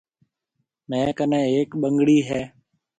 ميه ڪنَي هيَڪ ٻنگڙِي هيَ۔